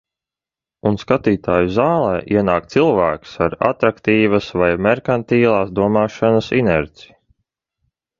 Un skatītāju zālē ienāk cilvēks ar atraktīvas vai merkantilās domāšanas inerci.